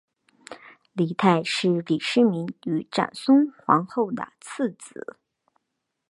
李泰是李世民与长孙皇后的次子。